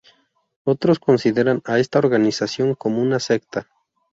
Otros consideran a esta organización como una secta.